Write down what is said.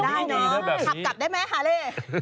ขับกลับได้มั้ยฮาเล